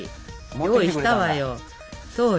用意したわよ。